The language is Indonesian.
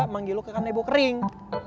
manggil lu ke kanebo kering